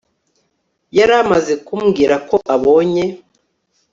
yaramaze kumbwira ko abonye